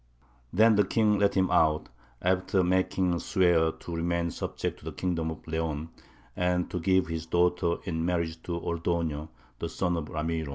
Then the king let him out, after making him swear to remain subject to the kingdom of Leon and to give his daughter in marriage to Ordoño the son of Ramiro.